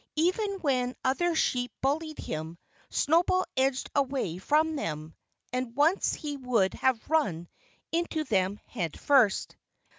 Even when other sheep bullied him Snowball edged away from them; and once he would have run into them head first.